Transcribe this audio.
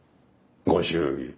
ご祝儀。